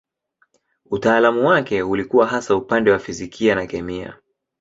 Utaalamu wake ulikuwa hasa upande wa fizikia na kemia.